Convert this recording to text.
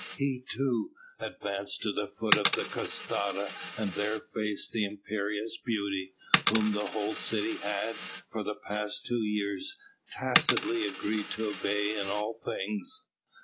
He too, advanced to the foot of the catasta and there faced the imperious beauty, whom the whole city had, for the past two years, tacitly agreed to obey in all things.